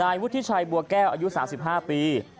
วุฒิชัยบัวแก้วอายุ๓๕ปี